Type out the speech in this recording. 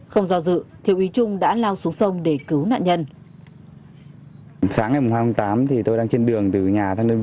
không do dự thiếu úy trung đã lao xuống sông để cứu nạn nhân